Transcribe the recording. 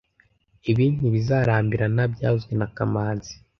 Ibi ntibizarambirana byavuzwe na kamanzi